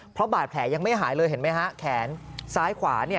เพราะบาดแผลยังไม่หายเลยเห็นไหมฮะแขนซ้ายขวา